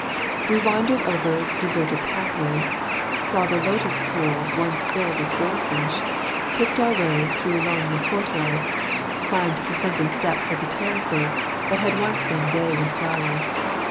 We wandered over deserted pathways, saw the lotus pools once filled with goldfish, picked our way through lonely courtyards, climbed the sunken steps of terraces that had once been gay with flowers.